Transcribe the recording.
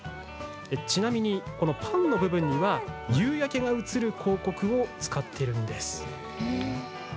ちなみに、パンの部分には夕焼けが写る広告を使いました。